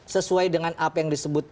sesuai dengan apa yang disebut